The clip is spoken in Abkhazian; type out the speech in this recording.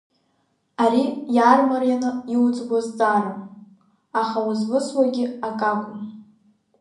Ари иаармарианы иуӡбо зҵаарам, аха узвысуагьы акакәым.